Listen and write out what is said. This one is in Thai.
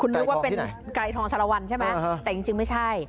นึกว่าเป็นไกรทองชะละวันใช่ไหมแต่จริงไม่ใช่